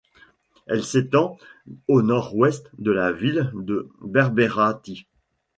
Elle s’étend au nord-ouest de la ville de Berbérati.